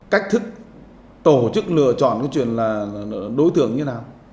cách thức tổ chức lựa chọn cái chuyện là đối tượng như thế nào